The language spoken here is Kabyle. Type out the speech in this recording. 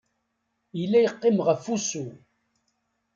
Yella yeqqim ɣef usu.